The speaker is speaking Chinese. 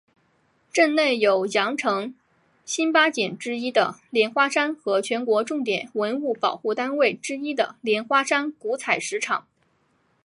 镇内有羊城新八景之一的莲花山和全国重点文物保护单位之一的莲花山古采石场。